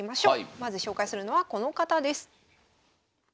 まず紹介するのはこの方です。